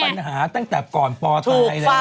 มีปัญหาตั้งแต่ก่อนปอต่ายเลย